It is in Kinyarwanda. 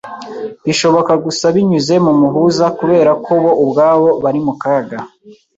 bishoboka gusa binyuze mu muhuza kubera ko bo ubwabo bari mu kaga